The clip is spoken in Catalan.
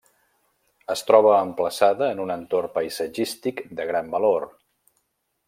Es troba emplaçada en un entorn paisatgístic de gran valor.